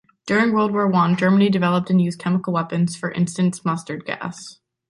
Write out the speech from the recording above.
During World War One, Germany developed and used chemical weapons, for instance mustard gas.